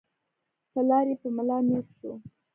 پلار يې په ملا نېغ شو.